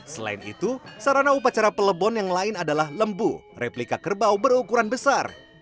selain itu sarana upacara pelebon yang lain adalah lembu replika kerbau berukuran besar